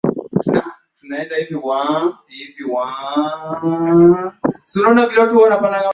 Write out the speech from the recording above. Wazee hata vijana, wote umewasubua,